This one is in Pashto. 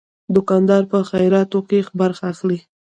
دوکاندار په خیراتو کې برخه اخلي.